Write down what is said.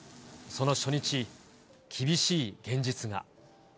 その初日、厳しい現実が。